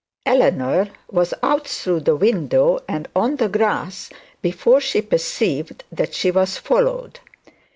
Eleanor was out through the window, and on the grass before she perceived that she was followed.